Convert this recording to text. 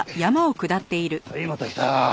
はいまた来た。